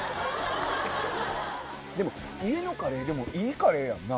でも家のカレーでもいいカレーやんな。